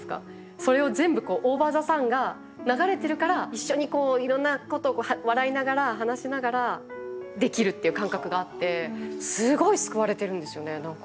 それを全部「ＯＶＥＲＴＨＥＳＵＮ」が流れてるから一緒にいろんなことを笑いながら話しながらできるっていう感覚があってすごい救われてるんですよね何か。